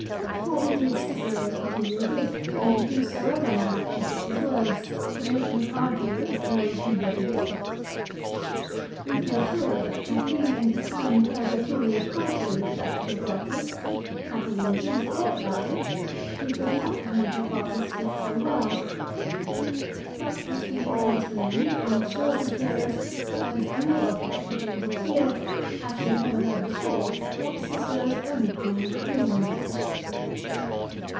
For it is Cicero's peculiar gift, in whosesoever mouth he puts his words, to make him argue as though he were the victor. We feel sure that had he in his hand held a theory contrary to that of Torquatus, had he in truth cared about it, he could not have made Torquatus speak so well. But the speaker comes to an end, and assures his hearers that his only object had been to hear, as he had never heard before, what Cicero's own opinion might be on the matter.